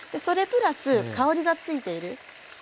それプラス香りがついている。